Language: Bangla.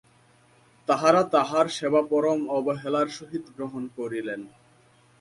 তাঁহারা তাঁহার সেবা পরম অবহেলার সহিত গ্রহণ করিলেন।